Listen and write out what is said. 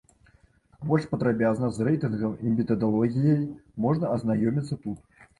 Больш падрабязна з рэйтынгам і метадалогіяй можна азнаёміцца тут.